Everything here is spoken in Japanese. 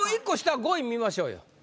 １個下５位見ましょうよ。